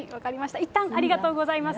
いったん、ありがとうございます。